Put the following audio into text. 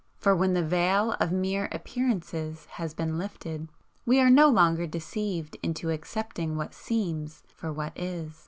For when the veil of mere Appearances has been lifted we are no longer deceived into accepting what Seems for what Is.